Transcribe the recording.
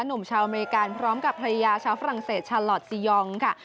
หนุ่มชาวอเมริกาพร้อมกับภรรยาชาวฝรั่งเศสชาลอทซียองค่ะ